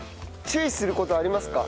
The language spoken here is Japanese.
注意する事ありますか？